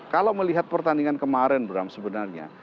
kalau melihat pertandingan kemarin bram sebenarnya